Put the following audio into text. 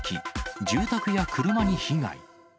住宅や車に被害。